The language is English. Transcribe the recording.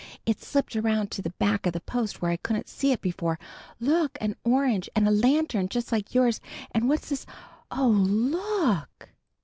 "It slipped around to the back of the post where I couldn't see it before. There's an orange and a lantern just like yours, and what's this? Oh, look!"